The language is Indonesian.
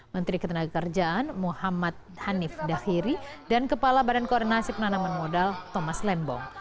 menteri ketenagakerjaan muhammad hanif dahiri dan kepala badan koordinasi penanaman modal thomas lembong